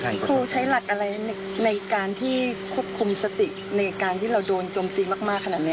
กะไหลในการที่ควบคุมสติในการที่เราโดนจมตีมาก